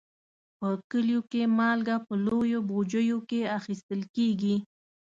په کلیو کې مالګه په لویو بوجیو کې اخیستل کېږي.